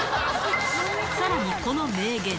さらにこの名言。